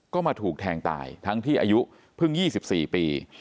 ก็มาถูกแทงตายทั้งที่อายุเพิ่งยี่สิบสี่ปี